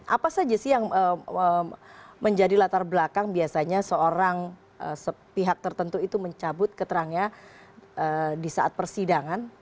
apa saja sih yang menjadi latar belakang biasanya seorang pihak tertentu itu mencabut keterangannya di saat persidangan